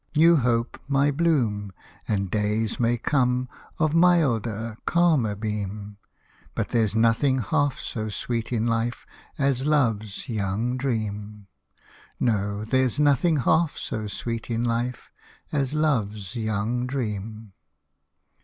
New hope my bloom. And days may come, Of milder, calmer beam. But there's nothing half so sweet in life As love's young dream : No, there's nothing half so sweet in life As love's young dream.